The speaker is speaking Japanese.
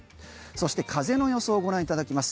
そして風の様子をご覧いただきます。